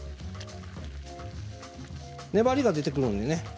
粘りが出てくるんでね